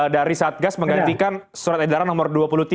dari satgas menggantikan surat edaran nomor dua puluh tiga